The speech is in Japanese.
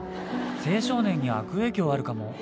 青少年に悪影響あるかも。